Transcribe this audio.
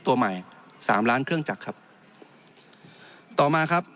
แต่ว่าถ้ามาดูงบประมาณของพวกเด็กประยุทธ์ที่ตั้งไว้เนี่ยครับ